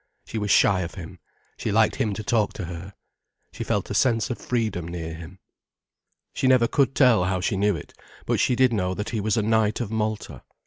She was shy of him, she liked him to talk to her. She felt a sense of freedom near him. She never could tell how she knew it, but she did know that he was a knight of Malta.